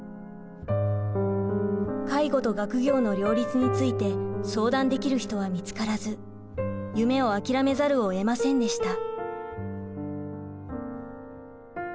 介護と学業の両立について相談できる人は見つからず夢を諦めざるをえませんでした。